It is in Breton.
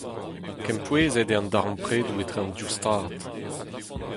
Kempouezet eo an darempredoù etre an div stad.